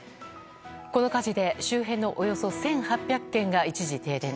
この火事で周辺のおよそ１８００軒が一時停電。